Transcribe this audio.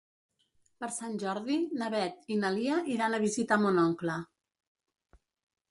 Per Sant Jordi na Beth i na Lia iran a visitar mon oncle.